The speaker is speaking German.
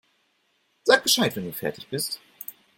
Sag Bescheid, wenn du fertig bist.